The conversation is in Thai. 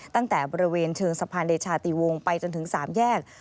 ตั้งแต่บริเวณเชิงสะพานเดชาติวงไปจนถึง๓แยก